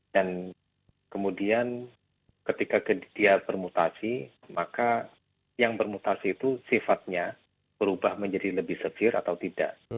dan kemudian ketika dia bermutasi maka yang bermutasi itu sifatnya berubah menjadi lebih seksir atau tidak